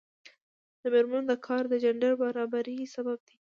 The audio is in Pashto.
د میرمنو کار د جنډر برابري سبب دی.